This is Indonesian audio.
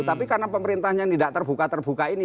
tapi karena pemerintahnya tidak terbuka terbuka ini